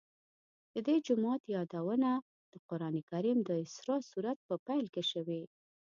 د دې جومات یادونه د قرآن کریم د اسراء سورت په پیل کې شوې.